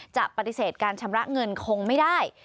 จะปฏิเสธการชำระเงินคงไม่ได้